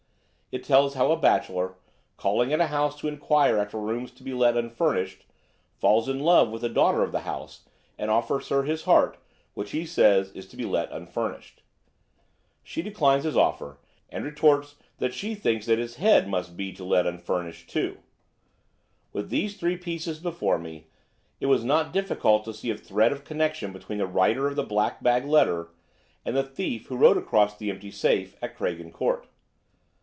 It tells how a bachelor, calling at a house to enquire after rooms to be let unfurnished, falls in love with the daughter of the house, and offers her his heart, which, he says, is to be let unfurnished. She declines his offer, and retorts that she thinks his head must be to let unfurnished, too. With these three pieces before me, it was not difficult to see a thread of connection between the writer of the black bag letter and the thief who wrote across the empty safe at Craigen Court.